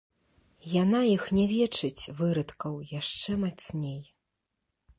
Яна іх нявечыць, вырадкаў, яшчэ мацней.